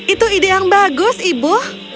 itu ide yang bagus ibu